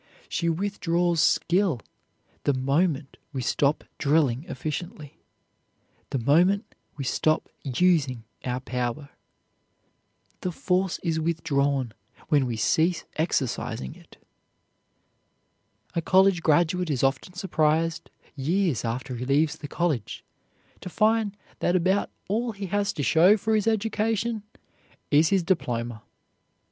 She withdraws skill the moment we stop drilling efficiently, the moment we stop using our power. The force is withdrawn when we cease exercising it. A college graduate is often surprised years after he leaves the college to find that about all he has to show for his education is his diploma.